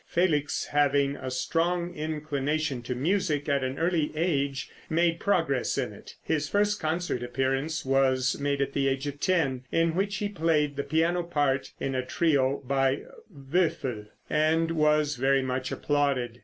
Felix, having a strong inclination to music, at an early age made great progress in it. His first concert appearance was made at the age of ten, in which he played the piano part in a trio by Woelfl, and was very much applauded.